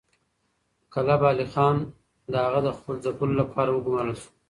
کلب علي خان قاجار د هغه د ځپلو لپاره وګمارل شو.